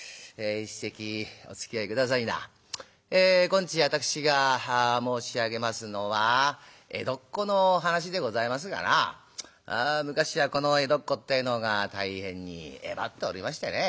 今日私が申し上げますのは江戸っ子の話でございますがな昔はこの江戸っ子ってえのが大変にえばっておりましてね